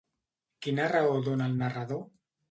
Quina raó dona el narrador?